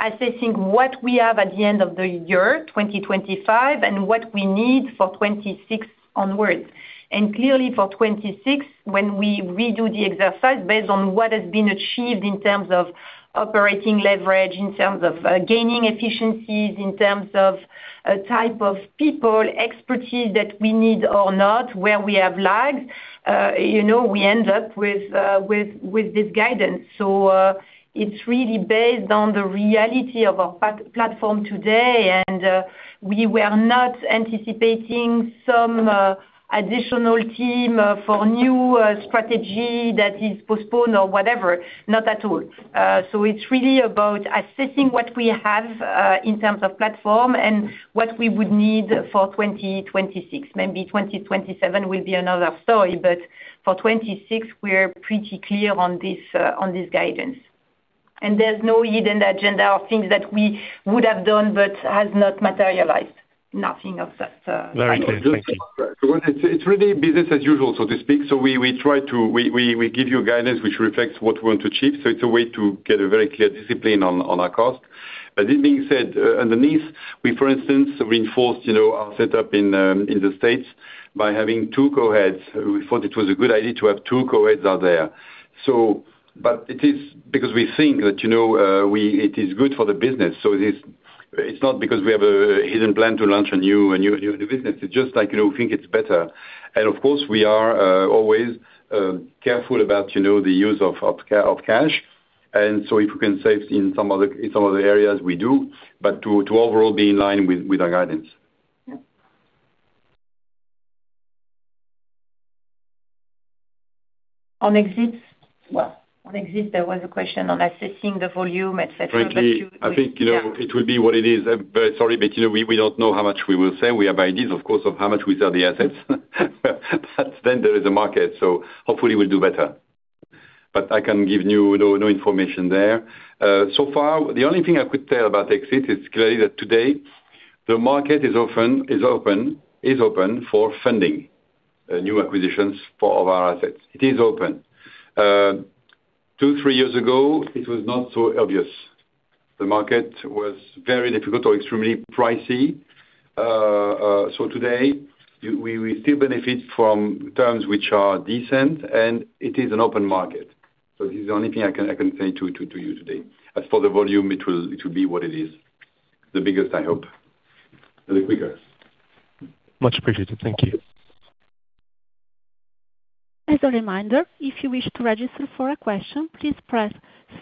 assessing what we have at the end of the year, 2025, and what we need for 2026 onwards. Clearly for 2026, when we redo the exercise based on what has been achieved in terms of operating leverage, in terms of gaining efficiencies, in terms of a type of people, expertise that we need or not, where we have lagged, you know, we end up with this guidance. It's really based on the reality of our platform today. We were not anticipating some additional team for new strategy that is postponed or whatever. Not at all. So it's really about assessing what we have in terms of platform and what we would need for 2026. Maybe 2027 will be another story, but for 2026 we're pretty clear on this guidance. There's no hidden agenda or things that we would have done but has not materialized. Nothing of that kind. Very clear. Thank you. It's really business as usual, so to speak. We try to give you guidance which reflects what we want to achieve, so it's a way to get a very clear discipline on our costs. But this being said, underneath, for instance, we reinforced, you know, our setup in the States by having two co-heads. We thought it was a good idea to have two co-heads out there. But it is because we think that, you know, it is good for the business. It's not because we have a hidden plan to launch a new business. It's just like, you know, we think it's better. Of course, we are always careful about, you know, the use of cash. If we can save in some other areas, we do, but to overall be in line with our guidance. Yeah. On exits. Well, on exit, there was a question on assessing the volume, et cetera. But you- Frankly, I think, you know, it will be what it is. I'm very sorry, but you know we don't know how much we will sell. We have ideas, of course, of how much we sell the assets. There is a market, so hopefully we'll do better. I can give you no information there. So far, the only thing I could tell about exit is clearly that today the market is open for funding new acquisitions for all of our assets. It is open. two to three years ago, it was not so obvious. The market was very difficult or extremely pricey. Today we still benefit from terms which are decent, and it is an open market. This is the only thing I can say to you today. As for the volume, it will be what it is. The biggest, I hope. The quickest. Much appreciated. Thank you. As a reminder, if you wish to register for a question, please press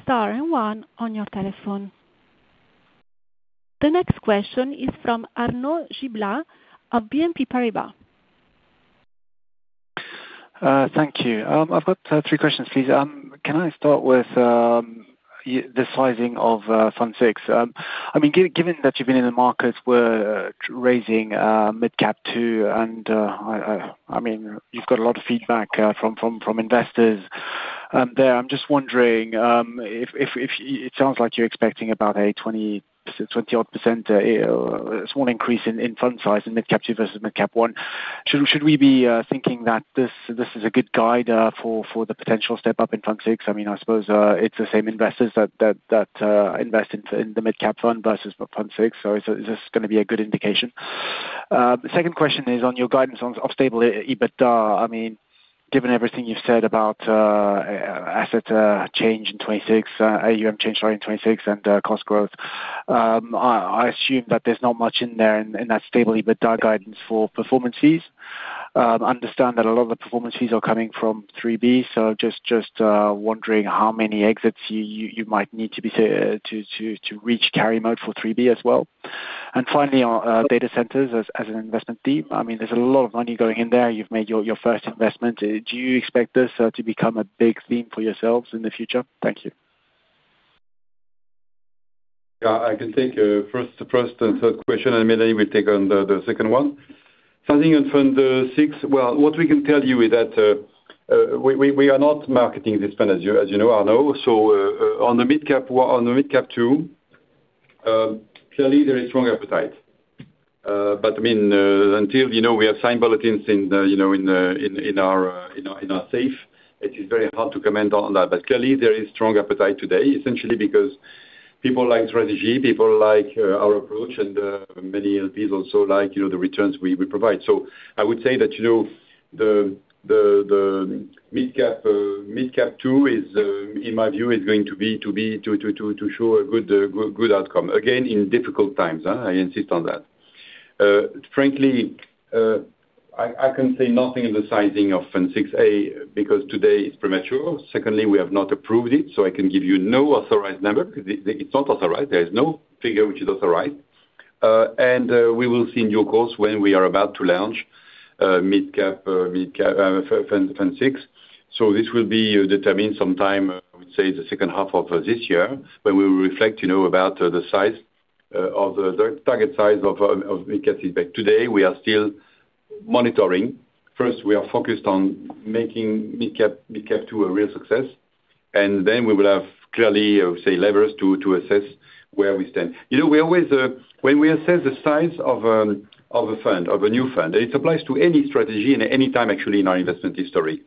star and one on your telephone. The next question is from Thank you. I've got three questions, please. Can I start with the sizing of Fund VI? I mean, given that you've been in the markets, we're raising Mid Cap II, and I mean, you've got a lot of feedback from investors there. I'm just wondering if it sounds like you're expecting about a 20-odd% small increase in fund size in Mid Cap II versus Mid Cap I. Should we be thinking that this is a good guide for the potential step up in Fund VI? I mean, I suppose it's the same investors that invest in the Mid Cap fund versus fund VI. Is this gonna be a good indication? The second question is on your guidance on stable EBITDA. I mean, given everything you've said about AUM change in 2026 and cost growth, I assume that there's not much in there in that stable EBITDA guidance for performance fees. Understand that a lot of the performance fees are coming from Fund III-B. Just wondering how many exits you might need to reach carry mode for Fund III-B as well. Finally, on data centers as an investment theme. I mean, there's a lot of money going in there. You've made your first investment. Do you expect this to become a big theme for yourselves in the future? Thank you. Yeah, I can take first and third question, and Mélanie will take on the second one. Funding on Fund VI. Well, what we can tell you is that we are not marketing this fund, as you know, Arnaud. On the Mid Cap II, clearly there is strong appetite. But I mean, until, you know, we have signed bulletins in the, you know, in our safe, it is very hard to comment on that. But clearly there is strong appetite today, essentially because people like strategy, people like our approach, and many LPs also like, you know, the returns we provide. I would say that, you know, the Mid Cap II is in my view going to show a good outcome. Again, in difficult times, I insist on that. Frankly, I can say nothing in the sizing of fund six because today it's premature. Secondly, we have not approved it, so I can give you no authorized number because it's not authorized. There is no figure which is authorized. We will see in due course when we are about to launch Mid Cap Fund VI. This will be determined sometime, I would say, the second half of this year, when we will reflect, you know, about the size of the target size of Mid Cap VI. Today we are still monitoring. First, we are focused on making Mid Cap II a real success. Then we will have clearly, I would say, levers to assess where we stand. You know, we always when we assess the size of a fund, of a new fund, it applies to any strategy and any time actually in our investment history.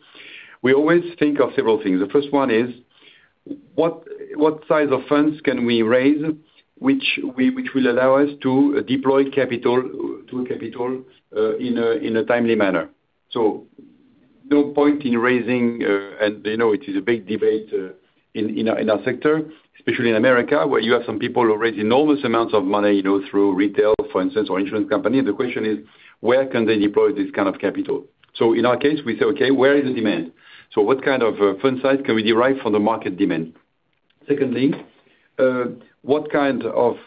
We always think of several things. The first one is what size of funds can we raise, which will allow us to deploy capital in a timely manner. No point in raising and you know, it is a big debate in our sector, especially in America, where you have some people who raise enormous amounts of money, you know, through retail, for instance, or insurance company. The question is, where can they deploy this kind of capital? In our case, we say, okay, where is the demand? What kind of fund size can we derive from the market demand? Secondly, what kind of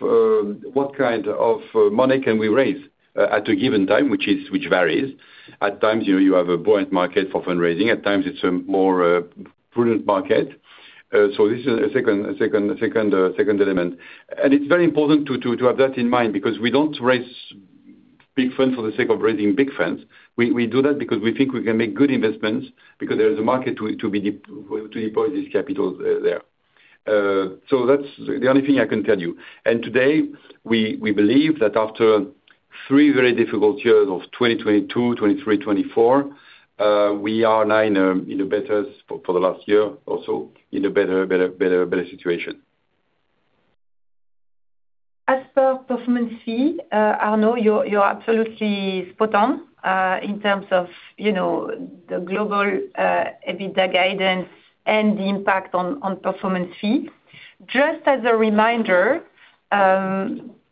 money can we raise at a given time, which varies. At times, you know, you have a buoyant market for fundraising. At times it's a more prudent market. This is a second element. It's very important to have that in mind because we don't raise big funds for the sake of raising big funds. We do that because we think we can make good investments because there is a market to deploy these capitals there. That's the only thing I can tell you. Today we believe that after three very difficult years of 2022, 2023, 2024, we are now in a better spot for the last year or so, in a better situation. As per performance fee, Arnaud, you're absolutely spot on in terms of, you know, the global EBITDA guidance and the impact on performance fee. Just as a reminder,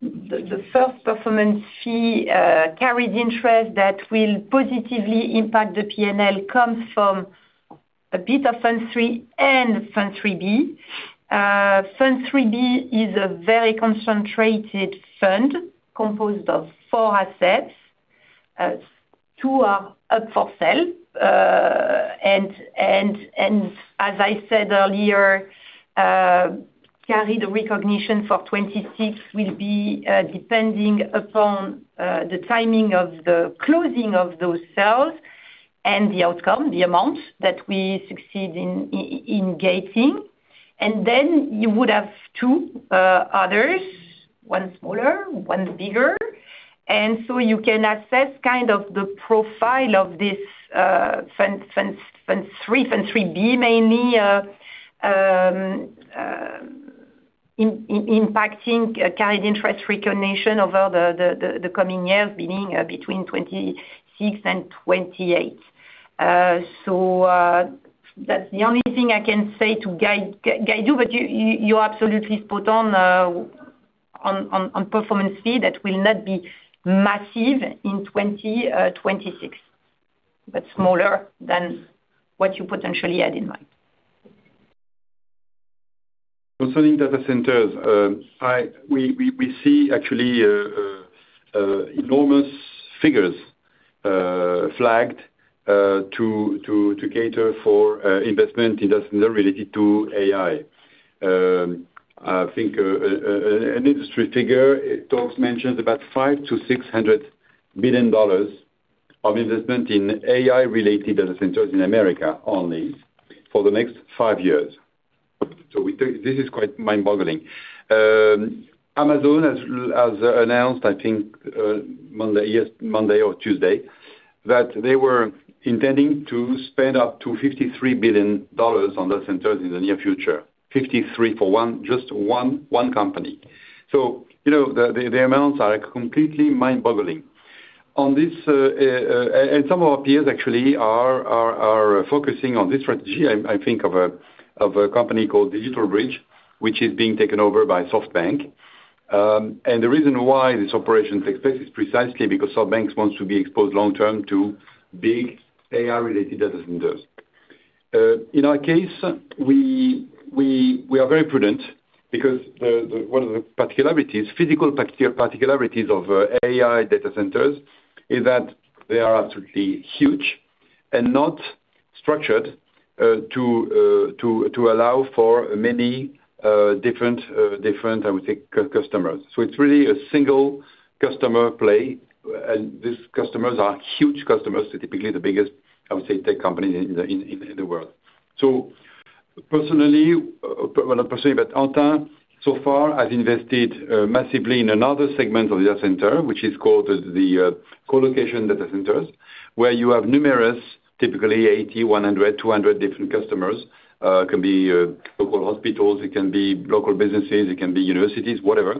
the first performance fee, carried interest that will positively impact the P&L comes from exit of Fund III and Fund III-B. Fund III-B is a very concentrated fund composed of four assets. Two are up for sale. As I said earlier, carry recognition for 2026 will be depending upon the timing of the closing of those sales and the outcome, the amount that we succeed in gaining. Then you would have two others, one smaller, one bigger. You can assess kind of the profile of this Fund III-B mainly impacting carried interest recognition over the coming years beginning between 2026 and 2028. That's the only thing I can say to guide you, but you're absolutely spot on on performance fee that will not be massive in 2026. Smaller than what you potentially had in mind. Concerning data centers, we see actually enormous figures flagged to cater for investment in those related to AI. I think an industry figure mentions about $500 billion-$600 billion of investment in AI-related data centers in America only for the next five years. This is quite mind-boggling. Amazon has announced, I think, Monday, yes, Monday or Tuesday, that they were intending to spend up to $53 billion on data centers in the near future. $53 billion for one, just one company. You know, the amounts are completely mind-boggling. On this, some of our peers actually are focusing on this strategy. I think of a company called DigitalBridge, which is being taken over by SoftBank. The reason why this operation takes place is precisely because SoftBank wants to be exposed long term to big AI-related data centers. In our case, we are very prudent because one of the particularities, physical particularities of AI data centers is that they are absolutely huge and not structured to allow for many different customers. It's really a single customer play, and these customers are huge customers, typically the biggest, I would say, tech company in the world. Personally, well not personally, but Antin so far has invested massively in another segment of data center, which is called the colocation data centers, where you have numerous, typically 80, 100, 200 different customers. It can be local hospitals, it can be local businesses, it can be universities, whatever,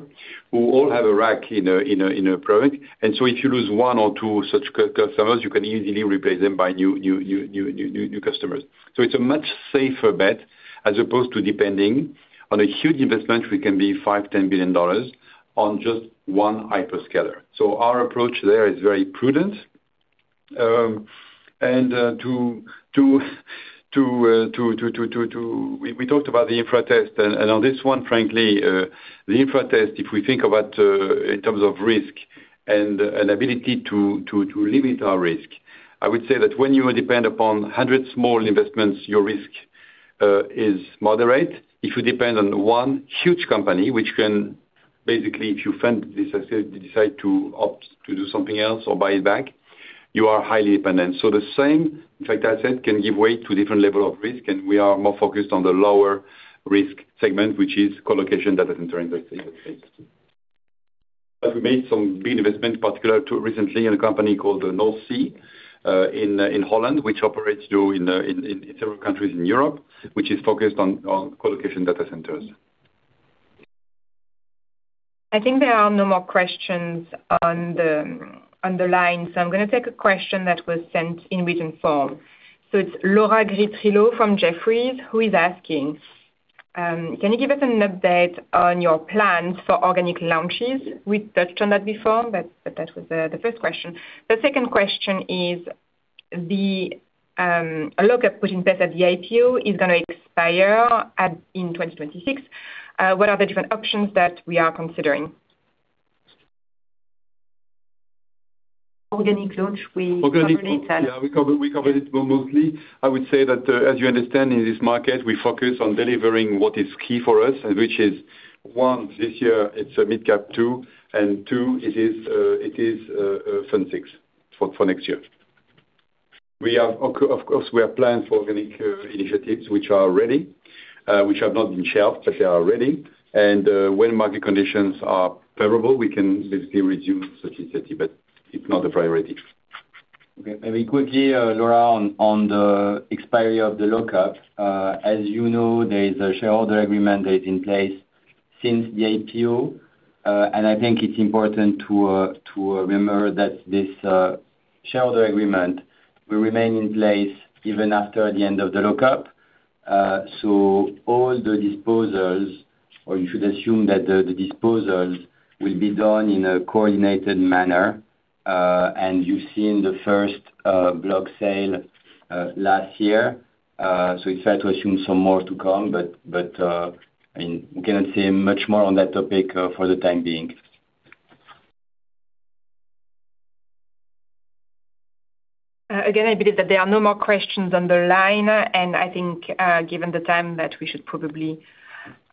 who all have a rack in a product. If you lose one or two such customers, you can easily replace them by new customers. It's a much safer bet as opposed to depending on a huge investment, which can be $5-$10 billion on just one hyperscaler. Our approach there is very prudent. We talked about the infra test, and on this one, frankly, the infra test, if we think about in terms of risk and ability to limit our risk, I would say that when you depend upon 100 small investments, your risk is moderate. If you depend on one huge company, which can basically, if you fund this asset, they decide to opt to do something else or buy it back, you are highly dependent. The same type of asset can give way to different level of risk, and we are more focused on the lower risk segment, which is colocation data center investing. We made some big investment, particularly recently in a company called NorthC, in Holland, which operates, you know, in several countries in Europe, which is focused on colocation data centers. I think there are no more questions on the line. I'm gonna take a question that was sent in written form. It's Laura Gris Trillo from Jefferies, who is asking, can you give us an update on your plans for organic launches? We touched on that before, but that was the first question. The second question is the lock-up put in place at the IPO is gonna expire in 2026. What are the different options that we are considering? Organic launch, we covered it. Organic, yeah, we cover, we covered it mostly. I would say that, as you understand in this market, we focus on delivering what is key for us, which is one, this year it's Mid Cap Fund II, and two, it is Flagship Fund VI for next year. We have, of course, we have planned for organic initiatives which are ready, which have not been shelved, but they are ready. When market conditions are favorable, we can basically resume such initiative, but it's not a priority. Okay. Very quickly, Laura, on the expiry of the lock-up. As you know, there is a shareholder agreement that is in place since the IPO, and I think it's important to remember that this shareholder agreement will remain in place even after the end of the lock-up. All the disposals, or you should assume that the disposals will be done in a coordinated manner. You've seen the first block sale last year. It's fair to assume some more to come. But I mean, we cannot say much more on that topic for the time being. Again, I believe that there are no more questions on the line. I think, given the time that we should probably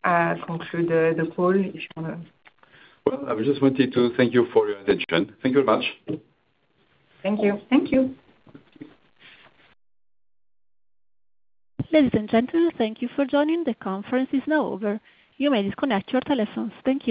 conclude the call, if you wanna. Well, I just wanted to thank you for your attention. Thank you very much. Thank you. Thank you. Ladies and gentlemen, thank you for joining. The conference is now over. You may disconnect your telephones. Thank you.